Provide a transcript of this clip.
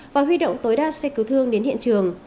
và huy động tối đa xe cứu thương đến hiện trường